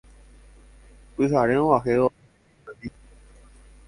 Pyhare og̃uahẽvo tape inandi